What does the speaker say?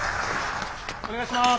お願いします。